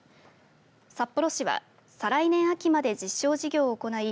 札幌市は再来年秋まで実証事業を行い